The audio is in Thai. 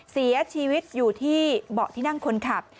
เสียชีวิตอยู่ที่เบาะที่นั่งคนขับ